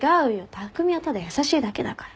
匠はただ優しいだけだから。